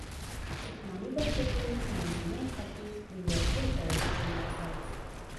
عثماني بنسټونو منځنی ختیځ بېوزلۍ ته ورټېل واهه.